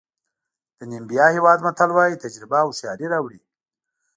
د نیمبیا هېواد متل وایي تجربه هوښیاري راوړي.